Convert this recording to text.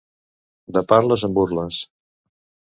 De parles en burles.